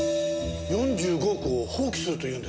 ４５億を放棄するというんですか？